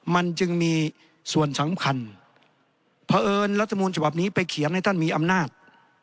มันจึงมีส่วนสำคัญเพราะเอิญรัฐมูลฉบับนี้ไปเขียนให้ท่านมีอำนาจ